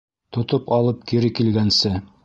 Тотоп алып кире килгәнсе